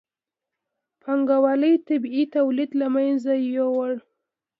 پانګوالۍ طبیعي تولید له منځه یووړ.